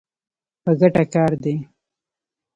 په ګټه کار دی.